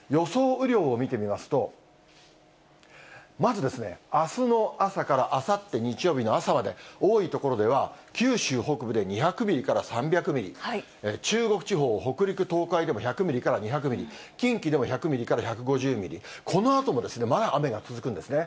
雨量を見てみますと、まずですね、あすの朝からあさって日曜日の朝まで、多い所では九州北部で２００ミリから３００ミリ、中国地方、北陸、東海でも１００ミリから２００ミリ、近畿でも１００ミリから１５０ミリ、このあともまだ雨が続くんですね。